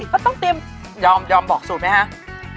ก็ต้องเตรียมยอมบอกสูตรไหมคะ